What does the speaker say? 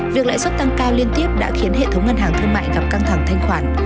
việc lãi suất tăng cao liên tiếp đã khiến hệ thống ngân hàng thương mại gặp căng thẳng thanh khoản